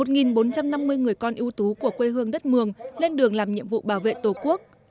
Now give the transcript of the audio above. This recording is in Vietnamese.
một bốn trăm năm mươi người con ưu tú của quê hương đất mường lên đường làm nhiệm vụ bảo vệ tổ quốc